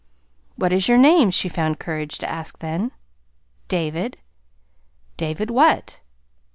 "What is your name?" she found courage to ask then. "David." "David what?"